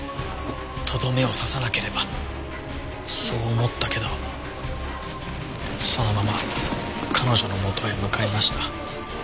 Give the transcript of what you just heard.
とどめを刺さなければそう思ったけどそのまま彼女のもとへ向かいました。